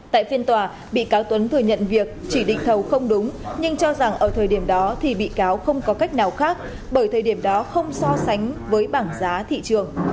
tại phiên tòa bị cáo tuấn thừa nhận việc chỉ định thầu không đúng nhưng cho rằng ở thời điểm đó thì bị cáo không có cách nào khác bởi thời điểm đó không so sánh với bảng giá thị trường